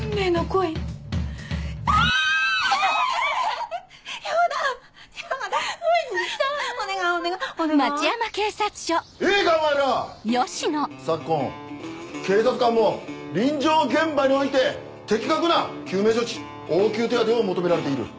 いいかお前ら昨今警察官も臨場現場において的確な救命処置応急手当てを求められている。